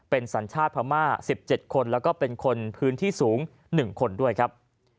เป็นสัญชาติพระม่าสิบเจ็ดคนแล้วก็เป็นคนพื้นที่สูงหนึ่งคนด้วยครับ